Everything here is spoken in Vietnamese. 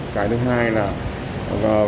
cái thứ hai là gọi điện cho người dân